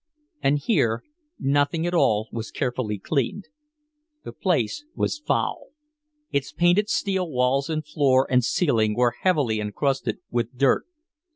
And here nothing at all was carefully cleaned. The place was foul, its painted steel walls and floor and ceiling were heavily encrusted with dirt.